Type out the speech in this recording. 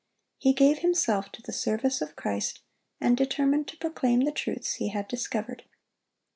He gave himself to the service of Christ, and determined to proclaim the truths he had discovered.